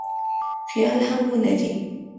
خیال هم ولري.